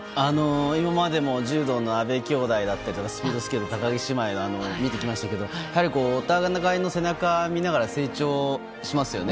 今までも柔道の阿部兄弟だったりスピードスケートの高木姉妹を見てきましたけどお互いの背中を見ながら成長しますよね。